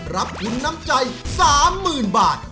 รับทุนน้ำใจ๓๐๐๐บาท